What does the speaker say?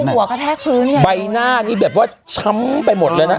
เขาเอาหัวกระแทกพื้นใหญ่ใบหน้านี่แบบว่าช้ำไปหมดเลยน่ะ